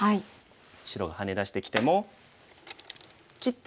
白がハネ出してきても切って。